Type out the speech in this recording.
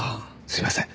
すいません。